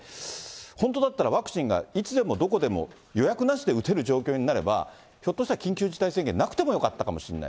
本当だったらワクチンがいつでもどこでも予約なしで打てる状況になれば、ひょっとしたら緊急事態宣言、なくてもよかったかもしれない。